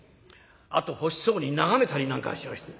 あと欲しそうに眺めたりなんかしまして。